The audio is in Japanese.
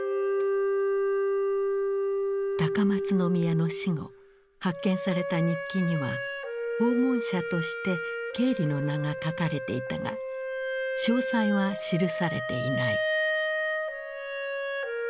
高松宮の死後発見された日記には訪問者としてケーリの名が書かれていたが詳細は記されていない。